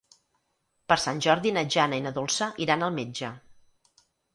Per Sant Jordi na Jana i na Dolça iran al metge.